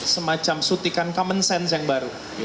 semacam sutikan common sense yang baru